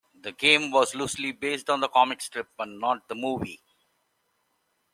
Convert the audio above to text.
The game was loosely based on the comic strip, and not the movie.